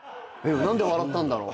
何で笑ったんだろう。